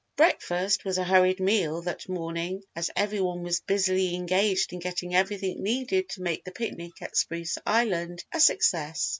Breakfast was a hurried meal that morning as every one was busily engaged in getting everything needed to make the picnic at Spruce Island a success.